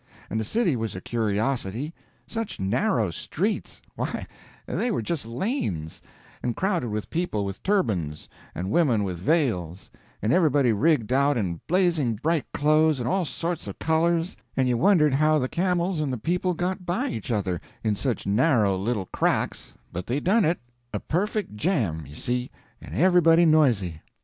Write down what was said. And the city was a curiosity. Such narrow streets—why, they were just lanes, and crowded with people with turbans, and women with veils, and everybody rigged out in blazing bright clothes and all sorts of colors, and you wondered how the camels and the people got by each other in such narrow little cracks, but they done it—a perfect jam, you see, and everybody noisy.